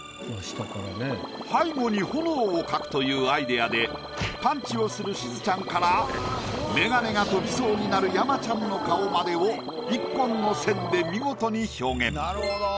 背後に炎を描くというアイディアでパンチをするしずちゃんからメガネが飛びそうになる山ちゃんの顔までを１本の線で見事に表現。